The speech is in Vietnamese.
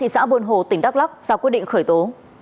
sau quyết định khởi tố